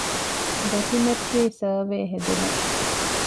ބެތިމެޓްރީ ސަރވޭ ހެދުމަށް